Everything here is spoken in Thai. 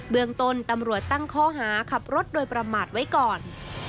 เมืองต้นตำรวจตั้งข้อหาขับรถโดยประมาทไว้ก่อน